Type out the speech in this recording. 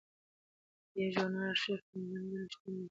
د دې ژورنال ارشیف په انلاین بڼه شتون لري.